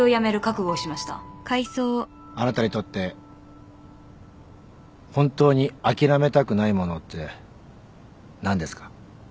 あなたにとって本当に諦めたくないものって何ですか？